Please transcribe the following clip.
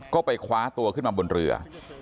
ก็ไปคว้าตัวขึ้นมาบนเรือ